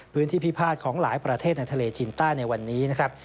พื้นที่พิพาทของหลายประเทศในทะเลจินต้านในวันนี้นะครับ